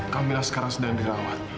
kamila sekarang sedang dirawat